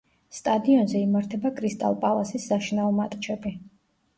სტადიონზე იმართება კრისტალ პალასის საშინაო მატჩები.